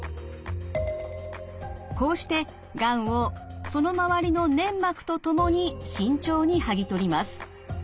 こうしてがんをその周りの粘膜とともに慎重に剥ぎ取ります。